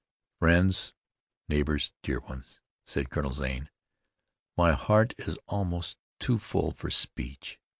"Friends, neighbors, dear ones," said Colonel Zane, "my heart is almost too full for speech.